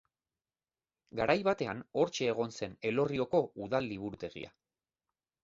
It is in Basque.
Garai batean hortxe egon zen Elorrioko Udal Liburutegia.